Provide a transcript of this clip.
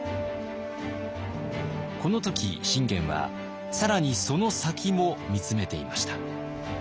この時信玄は更にその先も見つめていました。